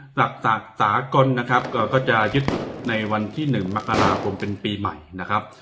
หลักศาสตร์สาโกนนะครับก็ก็จะยึดในวันที่หนึ่งมรรคลาภูมิเป็นปีใหม่นะครับ